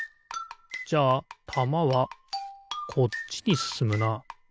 じゃあたまはこっちにすすむな。